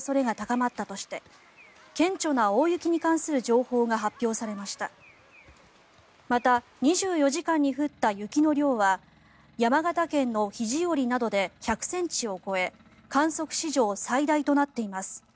また、２４時間に降った雪の量は山形県の肘折などで１００ｃｍを超え観測史上最大となっています。